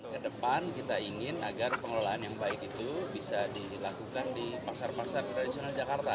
kedepan kita ingin agar pengelolaan yang baik itu bisa dilakukan di pasar pasar tradisional jakarta